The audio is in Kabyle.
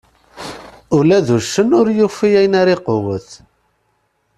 Ula d uccen ur yufi ayen ara iqewwet.